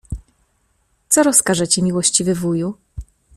Co rozkażecie, miłościwy wuju?